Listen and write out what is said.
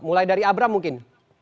mulai dari abram mungkin